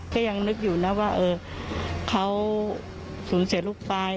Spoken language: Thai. ก็ยังนึกอยู่นะว่าเขาสูญเสียลูกไป